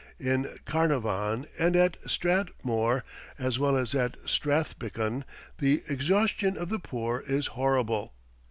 In Carnarvon, and at Strathmore, as well as at Strathbickan, the exhaustion of the poor is horrible.